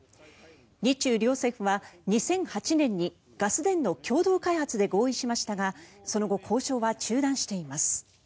日中両政府は２００８年にガス田の共同開発で合意しましたがその後、交渉は中断しています。